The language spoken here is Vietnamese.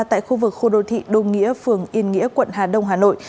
tại khu vực khu đô thị đô nghĩa phường yên nghĩa quận hà đông hà nội